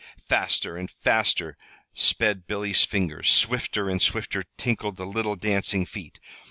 Faster and faster sped Billy's fingers; swifter and swifter twinkled the little dancing feet.